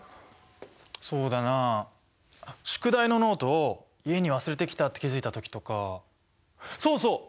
そうだなあ宿題のノートを家に忘れてきたって気付いたときとかそうそう！